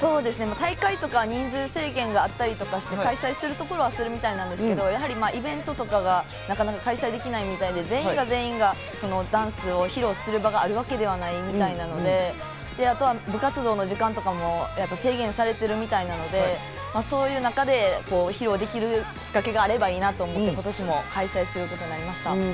大会とか人数制限があったりして、開催するところはするみたいですけど、イベントとかがなかなか開催できないみたいで、全員が全員、ダンスを披露する場があるわけではないみたいなので、あとは部活動の時間とかも制限されているみたいなので、そういう中で披露できるきっかけがあればいいなと思って、今年も開催することになりました。